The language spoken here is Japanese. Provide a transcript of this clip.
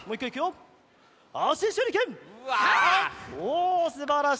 おすばらしい。